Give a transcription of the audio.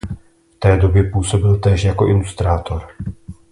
V té době působil též jako ilustrátor.